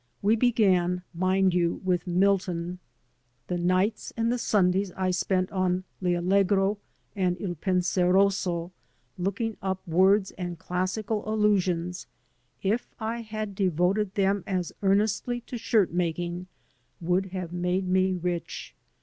We began, mind you, with Milton. The nights and the Sundays I spent on "L' Allegro" and "H Penseroso," looking up words and classical allusions, if I had devoted them as earnestly to shirt making, would have made me rich.